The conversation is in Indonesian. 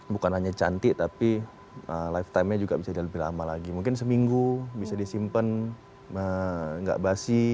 bukan hanya cantik tapi lifetimenya juga bisa lebih lama lagi mungkin seminggu bisa disimpan nggak basi